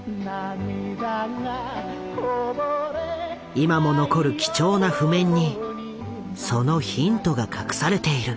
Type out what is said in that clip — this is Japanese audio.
今も残る貴重な譜面にそのヒントが隠されている。